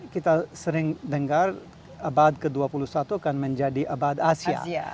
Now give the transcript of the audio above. kita sering dengar abad ke dua puluh satu akan menjadi abad asia